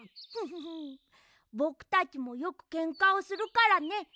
フフフぼくたちもよくけんかをするからね。